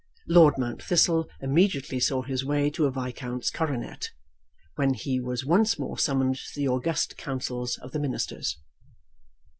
Lord Mount Thistle immediately saw his way to a viscount's coronet, when he was once more summoned to the august councils of the Ministers.